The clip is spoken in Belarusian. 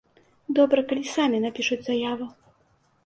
Добра, калі самі напішуць заяву.